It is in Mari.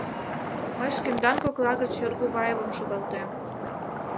Мый шкендан кокла гыч Эргуваевым шогалтем.